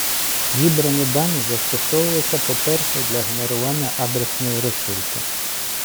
Зібрані дані застосовувалися, по - перше, для генерування адресної розсилки.